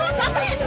oke makasih ya